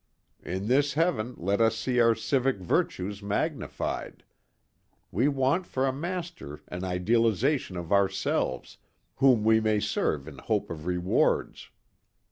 In this heaven let us see our civic virtues magnified. We want for a master an idealization of ourselves, whom we may serve in hope of rewards."